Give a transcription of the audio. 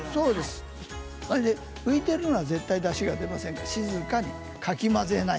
浮いてるのは絶対にだしが出ませんから静かに、かき混ぜない